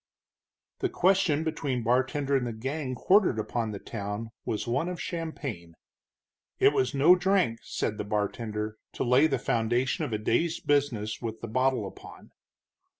The question between bartender and the gang quartered upon the town was one of champagne. It was no drink, said the bartender, to lay the foundation of a day's business with the bottle upon.